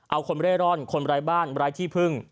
เอาคนเร่ร่อนคนไร้บ้านไร้ที่พึ่ง